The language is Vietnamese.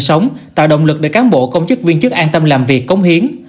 sống tạo động lực để cán bộ công chức viên chức an tâm làm việc cống hiến